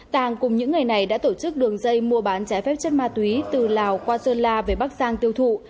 tàng cùng những người này đã tổ chức đường dây mua bán trái phép chất ma túy từ lào qua sơn la về bắc giang tiêu thụ